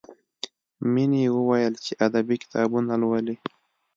مینې وویل چې ادبي کتابونه لولي